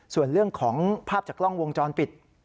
ส่วนเรื่องของภาพจากกล้องวงจรปิด